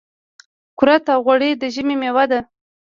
کورت او غوړي د ژمي مېوه ده .